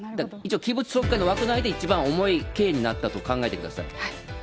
器物損壊の枠内で一番重い刑になったと考えてください。